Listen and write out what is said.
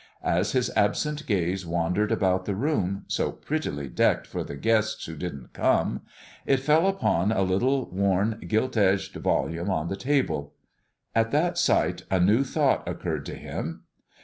As his absent gaze wandered about the room, so prettily decked for the guests who didn't come, it fell upon a little worn, gilt edged volume on the table. At that sight, a new thought occurred to him.